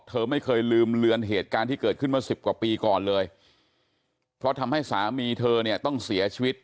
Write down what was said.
เธอไม่เคยลืมเลือนเหตุการณ์ที่เกิดขึ้นเมื่อสิบกว่าปีก่อนเลยเพราะทำให้สามีเธอเนี่ยต้องเสียชีวิต